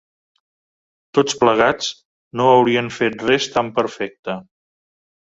Tots plegats, no haurien fet res tan perfecte